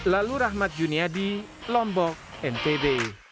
lalu rahmat juniadi lombok ntb